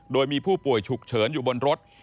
โดยมีผู้ป่วยฉุกเฉินอยู่บนรถ